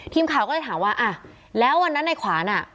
ทีมข่าวก็เลยถามว่าอ่ะแล้ววันนั้นในขวานอ่ะ